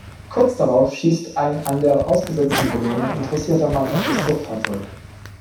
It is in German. Kurz darauf schießt ein an der ausgesetzten Belohnung interessierter Mann auf das Fluchtfahrzeug.